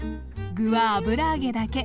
具は油揚げだけ！